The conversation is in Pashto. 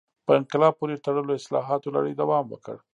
په انقلاب پورې تړلو اصلاحاتو لړۍ دوام وکړ.